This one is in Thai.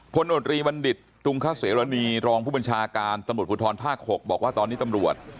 ผลโดรีมัณดิตตรุงคาเสรณีรองผู้บัญชาการตมผุทร๕๖บอกว่าตอนนี้ตำรวจ